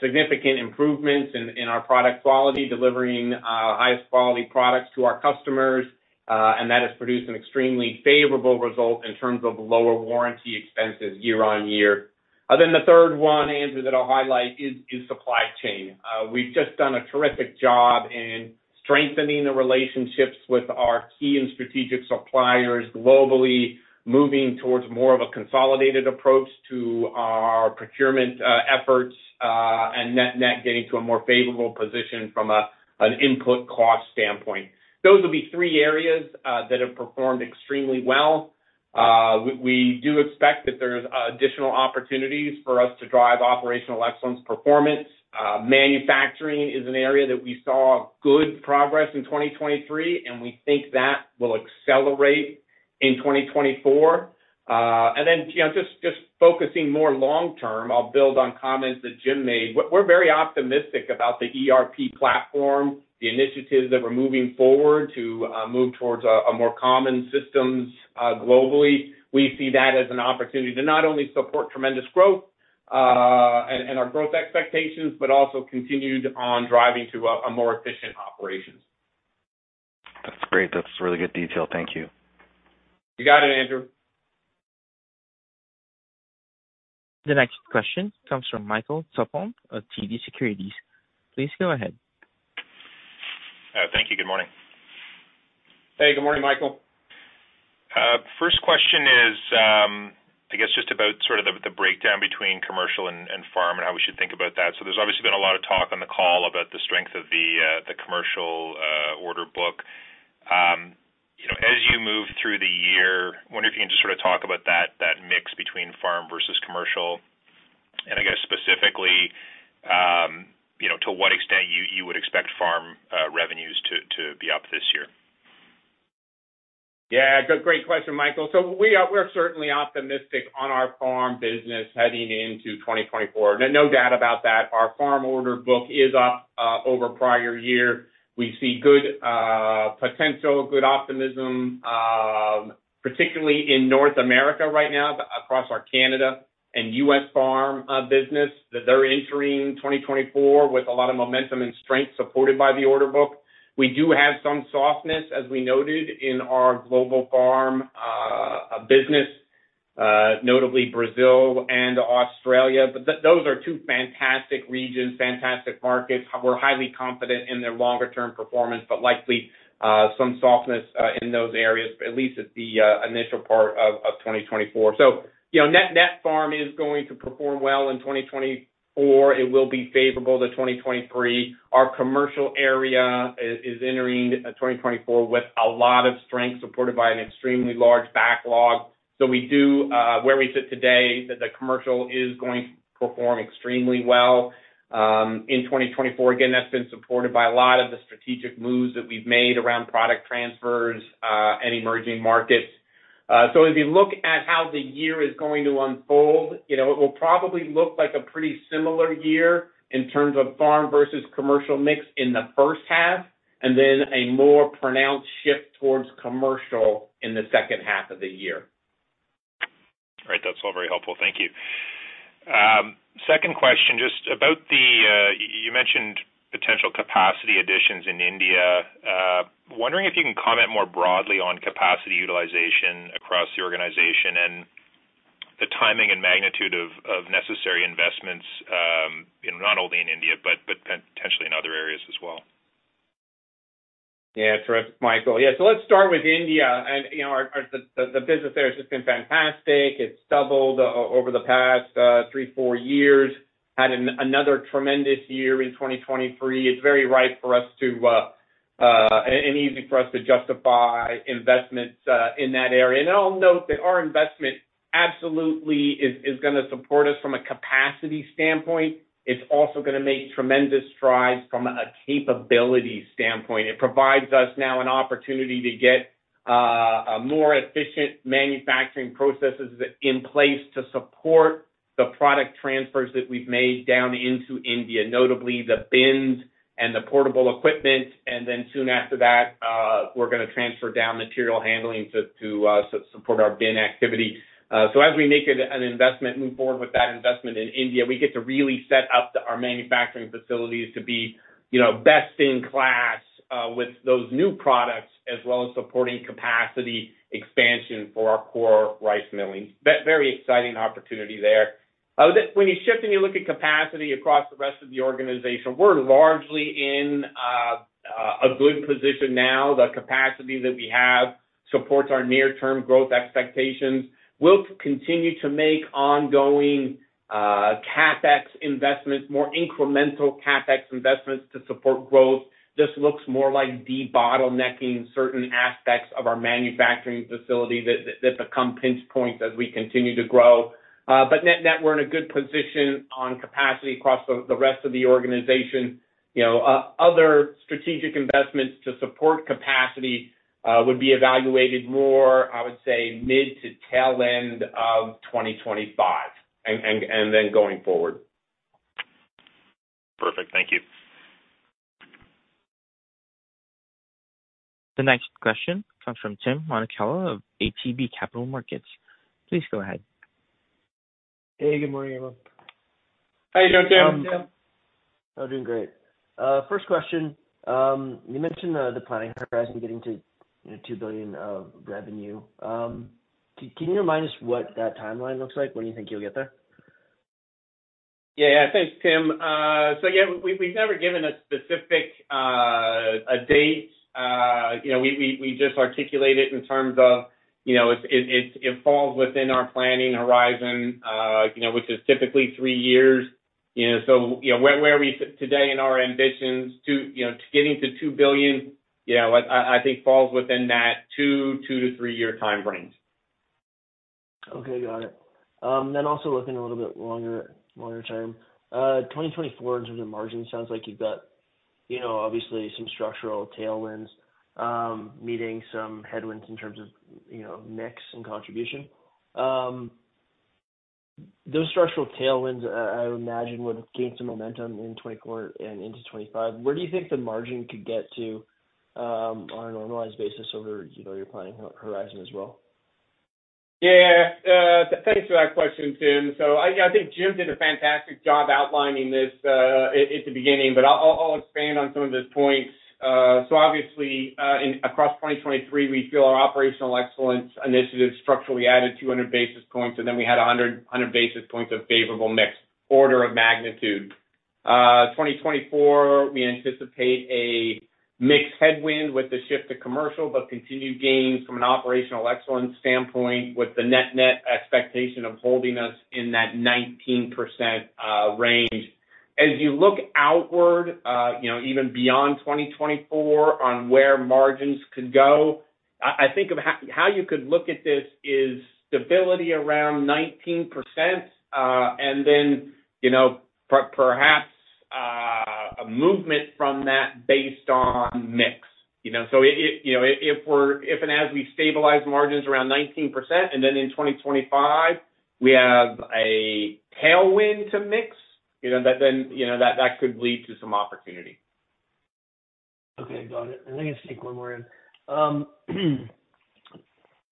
significant improvements in our product quality, delivering highest quality products to our customers. And that has produced an extremely favorable result in terms of lower warranty expenses year-on-year. Then the third one, Andrew, that I'll highlight is supply chain. We've just done a terrific job in strengthening the relationships with our key and strategic suppliers globally, moving towards more of a consolidated approach to our procurement efforts, and net-net, getting to a more favorable position from an input cost standpoint. Those will be three areas that have performed extremely well. We do expect that there's additional opportunities for us to drive operational excellence performance. Manufacturing is an area that we saw good progress in 2023, and we think that will accelerate in 2024. And then, you know, just focusing more long term, I'll build on comments that Jim made. We're very optimistic about the ERP platform, the initiatives that we're moving forward to move towards a more common systems globally. We see that as an opportunity to not only support tremendous growth and our growth expectations, but also continued on driving to a more efficient operations. That's great. That's really good detail. Thank you. You got it, Andrew. The next question comes from Michael Tupholme of TD Securities. Please go ahead. Thank you. Good morning. Hey, good morning, Michael. First question is, I guess just about sort of the breakdown between Commercial and Farm and how we should think about that. So there's obviously been a lot of talk on the call about the strength of the Commercial order book. You know, as you move through the year, I wonder if you can just sort of talk about that mix between Farm versus Commercial, and I guess specifically, you know, to what extent you would expect Farm revenues to be up this year? Yeah, good. Great question, Michael. So we are-- we're certainly optimistic on our farm business heading into 2024. No doubt about that. Our farm order book is up over prior year. We see good potential, good optimism, particularly in North America right now, across our Canada and U.S. farm business, that they're entering 2024 with a lot of momentum and strength supported by the order book. We do have some softness, as we noted in our global farm business, notably Brazil and Australia. But those are two fantastic regions, fantastic markets. We're highly confident in their longer term performance, but likely some softness in those areas, but at least at the initial part of 2024. So, you know, net-net farm is going to perform well in 2024. It will be favorable to 2023. Our commercial area is entering 2024 with a lot of strength, supported by an extremely large backlog. So we do, where we sit today, that the commercial is going to perform extremely well in 2024. Again, that's been supported by a lot of the strategic moves that we've made around product transfers and emerging markets. So as you look at how the year is going to unfold, you know, it will probably look like a pretty similar year in terms of farm versus commercial mix in the first half, and then a more pronounced shift towards commercial in the second half of the year. Right. That's all very helpful. Thank you. Second question, just about the... You mentioned potential capacity additions in India. Wondering if you can comment more broadly on capacity utilization across the organization and the timing and magnitude of necessary investments, you know, not only in India, but potentially in other areas as well. Yeah. Terrific, Michael. Yeah, so let's start with India. And, you know, our business there has just been fantastic. It's doubled over the past 3-4 years. Had another tremendous year in 2023. It's very ripe for us to and easy for us to justify investments in that area. And I'll note that our investment absolutely is gonna support us from a capacity standpoint. It's also gonna make tremendous strides from a capability standpoint. It provides us now an opportunity to get a more efficient manufacturing processes in place to support the product transfers that we've made down into India, notably the bins and the portable equipment, and then soon after that, we're gonna transfer down material handling to support our bin activity. So as we make it an investment, move forward with that investment in India, we get to really set up our manufacturing facilities to be, you know, best in class, with those new products, as well as supporting capacity expansion for our core rice milling. Very exciting opportunity there. When you shift and you look at capacity across the rest of the organization, we're largely in a good position now. The capacity that we have supports our near-term growth expectations. We'll continue to make ongoing CapEx investments, more incremental CapEx investments to support growth. Just looks more like debottlenecking certain aspects of our manufacturing facility that become pinch points as we continue to grow. But net net, we're in a good position on capacity across the rest of the organization. You know, other strategic investments to support capacity would be evaluated more, I would say, mid to tail end of 2025, and then going forward. Perfect. Thank you. The next question comes from Tim Monachello of ATB Capital Markets. Please go ahead. Hey, good morning, everyone. How are you doing, Tim? I'm doing great. First question, you mentioned the planning horizon getting to, you know, 2 billion of revenue. Can you remind us what that timeline looks like? When do you think you'll get there? Yeah, yeah. Thanks, Tim. So yeah, we've never given a specific date. You know, we just articulate it in terms of, you know, it falls within our planning horizon, you know, which is typically three years. You know, so, you know, where are we today in our ambitions to, you know, getting to 2 billion? Yeah, what I think falls within that 2-3 year time frame. Okay, got it. Then also looking a little bit longer term, 2024 in terms of margins, sounds like you've got, you know, obviously some structural tailwinds, meeting some headwinds in terms of, you know, mix and contribution. Those structural tailwinds, I would imagine, would gain some momentum in 2024 and into 2025. Where do you think the margin could get to, on a normalized basis over, you know, your planning horizon as well? Yeah. Thanks for that question, Tim. So I, I think Jim did a fantastic job outlining this at the beginning, but I'll, I'll expand on some of his points. So obviously, across 2023, we feel our Operational Excellence initiatives structurally added 200 basis points, and then we had a hundred basis points of favorable mix, order of magnitude. 2024, we anticipate a mixed headwind with the shift to commercial, but continued gains from an Operational Excellence standpoint, with the net-net expectation of holding us in that 19% range. As you look outward, you know, even beyond 2024, on where margins could go, I, I think of how you could look at this is stability around 19%, and then, you know, perhaps a movement from that based on mix, you know? So, you know, if and as we stabilize margins around 19%, and then in 2025, we have a tailwind to mix, you know, that then, you know, that, that could lead to some opportunity. Okay, got it. Let me just sneak one more in.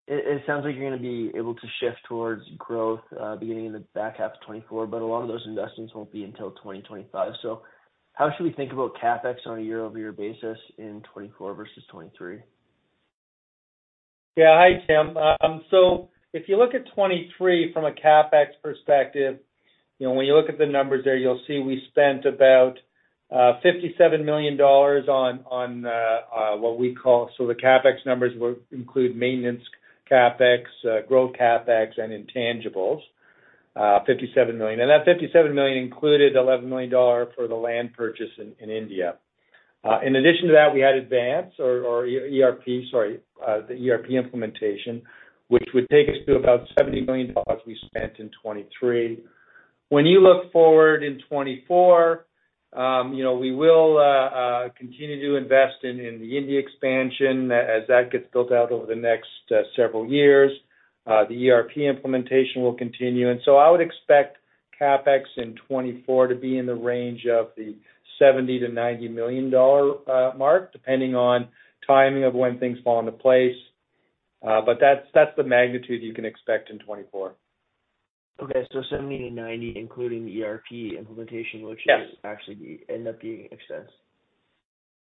It sounds like you're gonna be able to shift towards growth, beginning in the back half of 2024, but a lot of those investments won't be until 2025. So how should we think about CapEx on a year-over-year basis in 2024 versus 2023? Yeah. Hi, Tim. So if you look at 2023 from a CapEx perspective, you know, when you look at the numbers there, you'll see we spent about $57 million on what we call. So the CapEx numbers would include maintenance CapEx, growth CapEx, and intangibles, $57 million. And that $57 million included $11 million for the land purchase in India. In addition to that, we had Advance or ERP, sorry, the ERP implementation, which would take us to about $70 million we spent in 2023. When you look forward in 2024, you know, we will continue to invest in the India expansion as that gets built out over the next several years. The ERP implementation will continue, and so I would expect CapEx in 2024 to be in the range of the $70-$90 million dollar mark, depending on timing of when things fall into place. But that's, that's the magnitude you can expect in 2024. Okay. So 70-90, including the ERP implementation, which- Yes... actually end up being excess.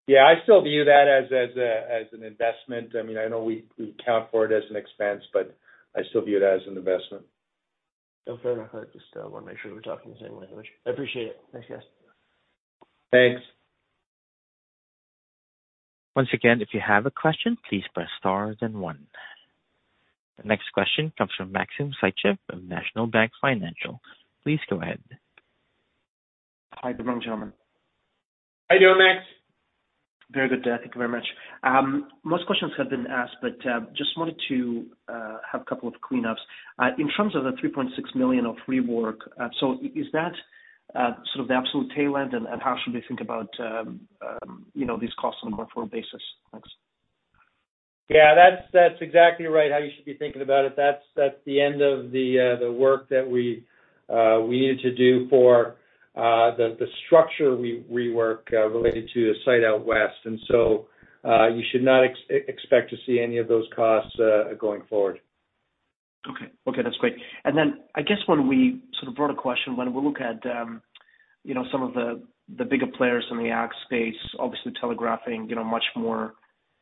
Yeah, I still view that as an investment. I mean, I know we account for it as an expense, but I still view it as an investment. Okay. I just wanna make sure we're talking the same language. I appreciate it. Thanks, guys. Thanks. Once again, if you have a question, please press star then one. The next question comes from Maxim Sytchev of National Bank Financial. Please go ahead. Hi, good morning, gentlemen. How are you doing, Max? Very good. Thank you very much. Most questions have been asked, but just wanted to have a couple of cleanups. In terms of the 3.6 million of rework, so is that sort of the absolute tailend, and how should we think about, you know, these costs on a going-forward basis? Thanks. Yeah, that's, that's exactly right, how you should be thinking about it. That's the end of the work that we needed to do for the structure rework related to the site out West. And so, you should not expect to see any of those costs going forward. Okay. Okay, that's great. And then I guess when we sort of brought a question, when we look at, you know, some of the, the bigger players in the ag space, obviously telegraphing, you know, much more,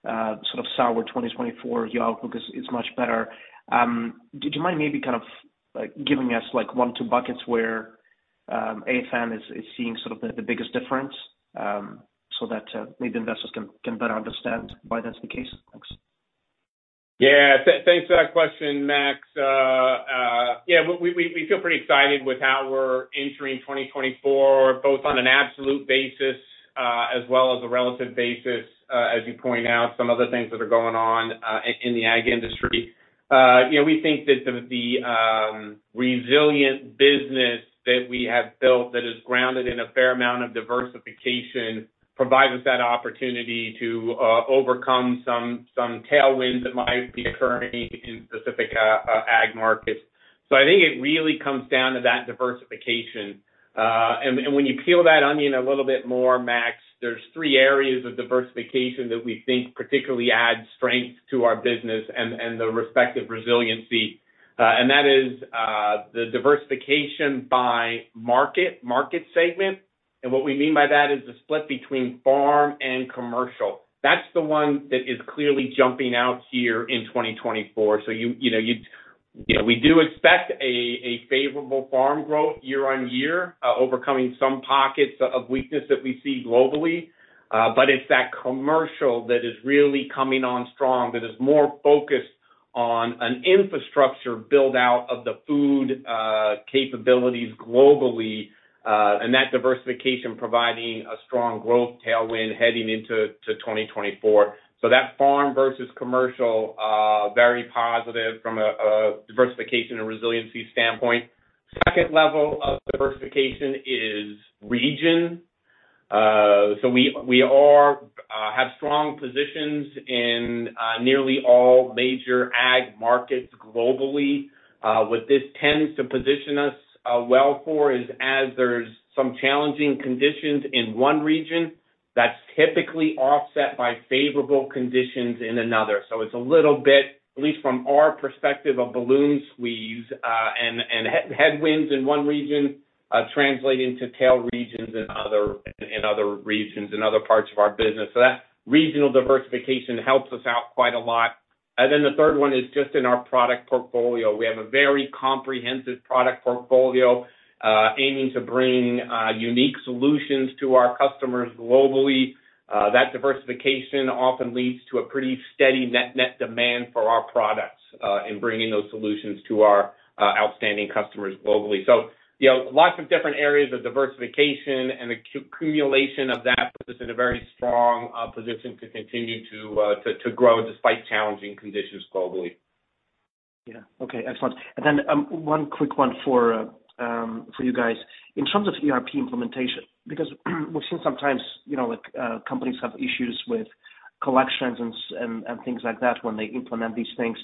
sort of sour 2024 year outlook is, is much better. Would you mind maybe kind of, like, giving us, like, buckets where, AGI is, is seeing sort of the, the biggest difference, so that, maybe investors can, can better understand why that's the case? Thanks. Yeah. Thanks for that question, Max. Yeah, we feel pretty excited with how we're entering 2024, both on an absolute basis, as well as a relative basis, as you point out some of the things that are going on in the ag industry. You know, we think that the resilient business that we have built that is grounded in a fair amount of diversification provides us that opportunity to overcome some tailwinds that might be occurring in specific ag markets. So I think it really comes down to that diversification... And when you peel that onion a little bit more, Max, there's three areas of diversification that we think particularly add strength to our business and the respective resiliency. And that is the diversification by market segment. What we mean by that is the split between Farm and Commercial. That's the one that is clearly jumping out here in 2024. So you know, we do expect a favorable Farm growth year-on-year, but it's that Commercial that is really coming on strong, that is more focused on an infrastructure build-out of the Food capabilities globally, and that diversification providing a strong growth tailwind heading into 2024. So that Farm versus Commercial, very positive from a diversification and resiliency standpoint. Second level of diversification is region. So we have strong positions in nearly all major ag markets globally. What this tends to position us well for is, as there's some challenging conditions in one region, that's typically offset by favorable conditions in another. So it's a little bit, at least from our perspective, of balloon squeeze, and headwinds in one region translate into tailwinds in other regions, in other parts of our business. So that regional diversification helps us out quite a lot. And then the third one is just in our product portfolio. We have a very comprehensive product portfolio, aiming to bring unique solutions to our customers globally. That diversification often leads to a pretty steady net-net demand for our products in bringing those solutions to our outstanding customers globally. So, you know, lots of different areas of diversification, and the accumulation of that puts us in a very strong position to continue to grow despite challenging conditions globally. Yeah. Okay, excellent. And then, one quick one for you guys. In terms of ERP implementation, because we've seen sometimes, you know, like, companies have issues with collections and and things like that when they implement these things.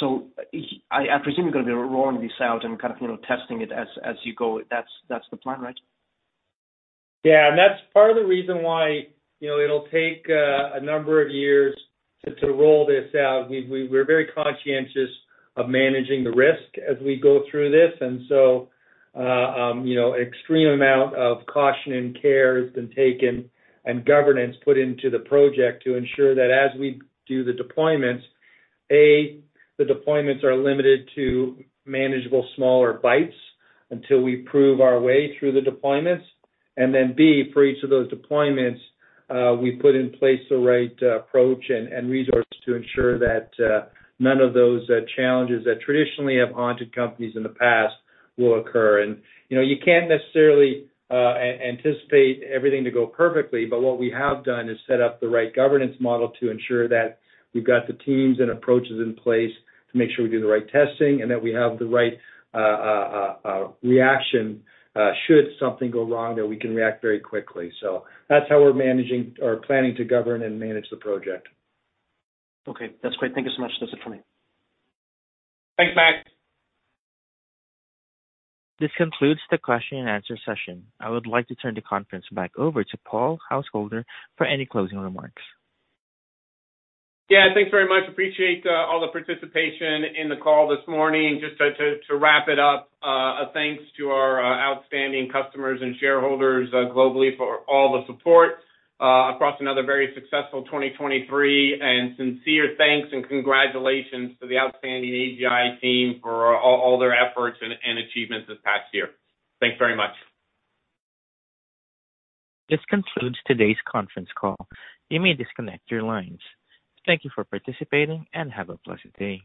So I presume you're gonna be rolling this out and kind of, you know, testing it as you go. That's the plan, right? Yeah, and that's part of the reason why, you know, it'll take a number of years to roll this out. We're very conscientious of managing the risk as we go through this, and so, you know, an extreme amount of caution and care has been taken and governance put into the project to ensure that as we do the deployments, A, the deployments are limited to manageable, smaller bites until we prove our way through the deployments. And then, B, for each of those deployments, we put in place the right approach and resource to ensure that none of those challenges that traditionally have haunted companies in the past will occur. You know, you can't necessarily anticipate everything to go perfectly, but what we have done is set up the right governance model to ensure that we've got the teams and approaches in place to make sure we do the right testing and that we have the right reaction should something go wrong, that we can react very quickly. So that's how we're managing or planning to govern and manage the project. Okay. That's great. Thank you so much. That's it for me. Thanks, Max. This concludes the question and answer session. I would like to turn the conference back over to Paul Householder for any closing remarks. Yeah, thanks very much. Appreciate all the participation in the call this morning. Just to wrap it up, a thanks to our outstanding customers and shareholders globally for all the support across another very successful 2023. Sincere thanks and congratulations to the outstanding AGI team for all their efforts and achievements this past year. Thanks very much. This concludes today's conference call. You may disconnect your lines. Thank you for participating, and have a blessed day.